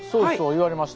言われました。